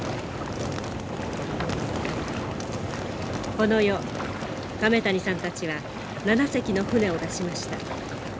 この夜亀谷さんたちは７隻の舟を出しました。